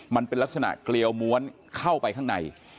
มันเป็นลักษณะเกลียวม้วนเข้าไปข้างใน